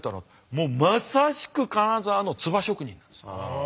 もうまさしく金沢の鍔職人なんです。ああ！